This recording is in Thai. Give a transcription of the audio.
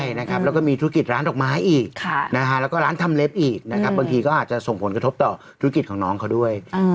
ใช่นะครับแล้วก็มีธุรกิจร้านดอกไม้อีกแล้วก็ร้านทำเล็บอีกนะครับบางทีก็อาจจะส่งผลกระทบต่อธุรกิจของน้องเขาด้วย